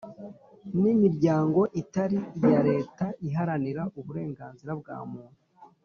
n imiryango itari iya Leta iharanira uburenganzira bwa Muntu